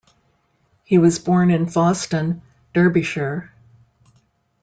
He was born in Foston, Derbyshire.